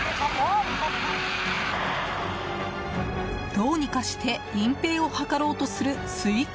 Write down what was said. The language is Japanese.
どうにかして隠ぺいを図ろうとするスイカ